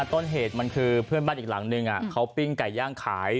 ต้นเหตุมันคือเพื่อนบ้านอีกหลังนึงเขาปิ้งไก่ย่างขาย